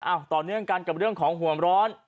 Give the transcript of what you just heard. ต่อเนื่องกันกับเรื่องของห่วงร้อน